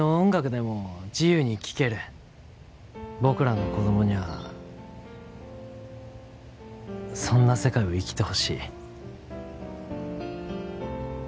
僕らの子供にゃあそんな世界を生きてほしい。